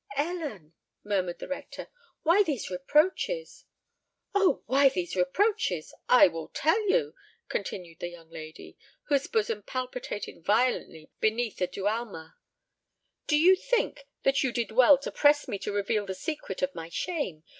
"Ellen," murmured the rector; "why these reproaches?" "Oh! why these reproaches?—I will tell you," continued the young lady, whose bosom palpitated violently beneath the dualma. "Do you think that you did well to press me to reveal the secret of my shame?